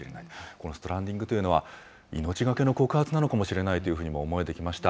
このストランディングというのは、命懸けの告発なのかもしれないというふうにも思えてきました。